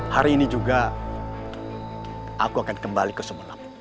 hari ini juga aku akan kembali ke sumeneb